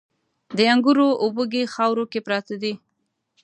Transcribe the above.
د انګورو وږي خاورو کې پراته دي